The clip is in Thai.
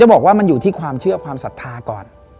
บอกว่ามันอยู่ที่ความเชื่อความศรัทธาก่อน